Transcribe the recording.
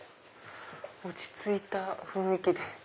落ち着いた雰囲気で。